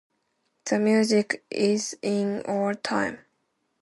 The music is in or time.